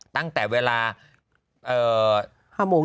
ตั้งแต่เวลา๕โมง